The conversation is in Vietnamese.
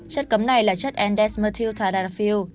chất cấm này là chất endesmethyl tadalafil